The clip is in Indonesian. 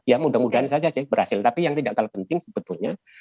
ya mudah mudahan saja sih berhasil itu bisa jadi nanti menjadi benchmark gitu ya